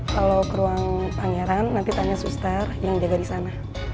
kalau ke ruang pangeran nanti tanya suster yang jaga di sana